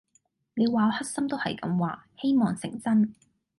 你話我黑心都係咁話，希望成真